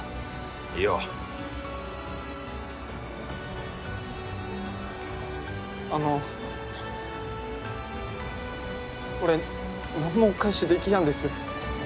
いいよあの俺何もお返しできやんです